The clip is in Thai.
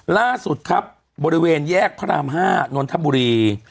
ล่าสุดครับบริเวณแยกพระราม๕นนทบุรี